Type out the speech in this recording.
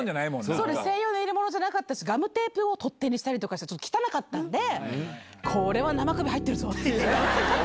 そうです、専用の入れ物じゃなかったですし、ガムテープを取っ手にしたりして、ちょっと汚かったんで、これは生首入ってるぞっていう。